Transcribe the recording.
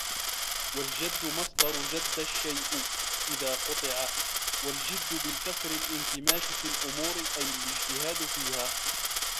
وَالْجَدُّ مَصْدَرُ جَدَّ الشَّيْءُ إذَا قُطِعَ وَالْجِدُّ بِالْكَسْرِ الِانْكِمَاشُ فِي الْأُمُورِ أَيْ الِاجْتِهَادُ فِيهَا